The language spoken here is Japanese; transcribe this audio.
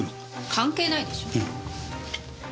関係ないでしょ。